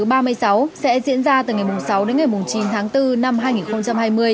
hội nghị cấp cao asean lần thứ ba mươi sáu sẽ diễn ra từ ngày sáu đến ngày chín tháng bốn năm hai nghìn hai mươi